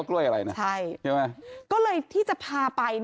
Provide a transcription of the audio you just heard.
อันนี้กล้วยอะไร